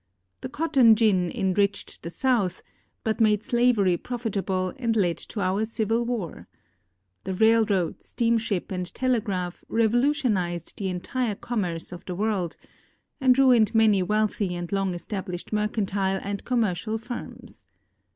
The cotton gin enriched the South, but made slavery profitable and led to our civil war. The rail road, steamship, and telegraph revolutionized the entire com merce of the world, and ruined many wealthy and long estab lished mercantile and commercial firms.